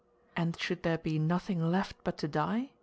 "And should there be nothing left but to die?"